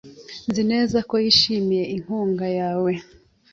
Nzi neza ko yishimiye inkunga yawe.